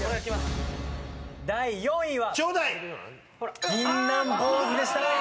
第４位は。